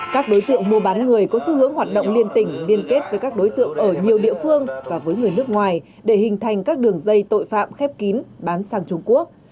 các đối tượng mua bán người có xu hướng hoạt động liên tỉnh liên kết với các đối tượng ở nhiều địa phương và với người nước ngoài để hình thành các đường dây tội phạm khép kín bán sang trung quốc